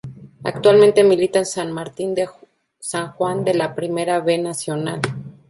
Actualmente milita en San Martín de San Juan de la Primera B Nacional.